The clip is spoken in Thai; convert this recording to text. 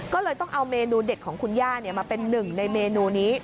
ก็เลยต้องเอาเมนูเด็ดของคุณย่ามาเป็นหนึ่งในเมนูนี้